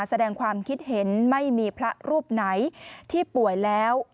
แสดงความคิดเห็นไม่มีพระรูปไหนที่ป่วยแล้ว